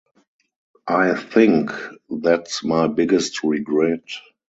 I think that’s my biggest regret.